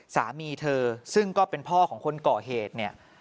สามีเธอซึ่งก็เป็นพ่อของคนก่อเหตุเนี่ย